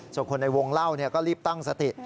ส่วนคนในวงเล่าก็รีบตั้งสติ